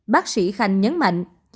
bác sĩ khanh nhấn mạnh